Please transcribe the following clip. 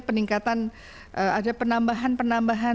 peningkatan ada penambahan penambahan